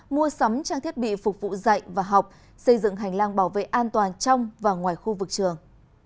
mua sắm trang thiết bị phục vụ dạy và học xây dựng hành lang bảo vệ an toàn trong và ngoài khu vực trường